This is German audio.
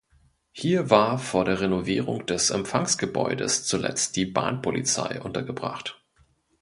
Hier war vor der Renovierung des Empfangsgebäudes zuletzt die Bahnpolizei untergebracht.